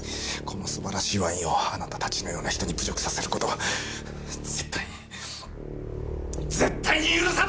この素晴らしいワインをあなたたちのような人に侮辱させる事は絶対に絶対に許さない！！